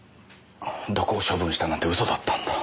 毒を処分したなんて嘘だったんだ。